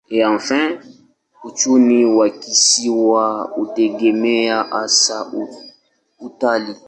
Uchumi wa kisiwa hutegemea hasa utalii.